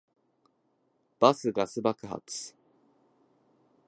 バスガス爆発